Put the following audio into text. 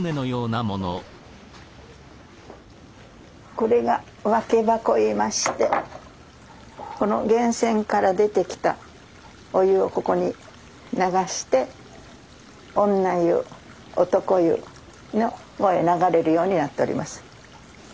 これが分け箱言いましてこの源泉から出てきたお湯をここに流して女湯男湯の方へ流れるようになっております。